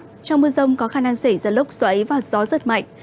trong mưa rông có khả năng xảy ra lốc xoáy và gió giật mạnh